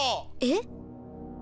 えっ？